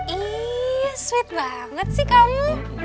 ini sweet banget sih kamu